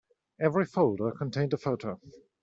Every folder contained a photo.